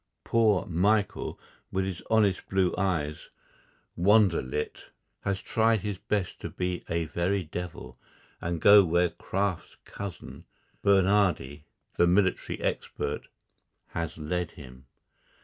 Poor Michael, with his honest blue eyes wonder lit, has tried his best to be a very devil, and go where Kraft's cousin, Bernhardi, the military "expert," has led him.